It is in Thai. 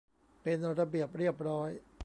เป็นระเบียบเรียบร้อย